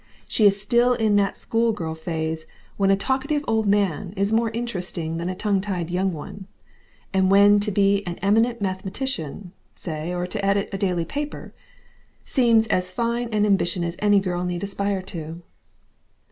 She is still in that schoolgirl phase when a talkative old man is more interesting than a tongue tied young one, and when to be an eminent mathematician, say, or to edit a daily paper, seems as fine an ambition as any girl need aspire to.